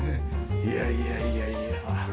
いやいやいやいや。